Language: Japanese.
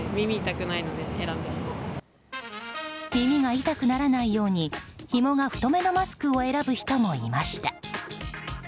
耳が痛くならないようにひもが太めのマスクを選ぶ人もいました。